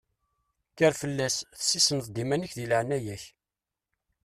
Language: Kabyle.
Kker fell-as, tessisneḍ-d iman-ik di leɛnaya-k!